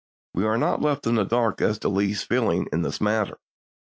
We are not left in the dark as to Lee's feeling in the matter.